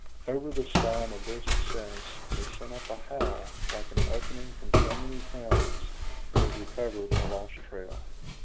Over this sign of their success, they sent up a howl, like an opening from so many hounds who had recovered a lost trail.